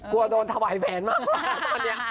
กลัวโดนถวายแหวนมากตอนนี้